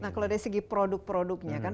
nah kalau dari segi produk produknya kan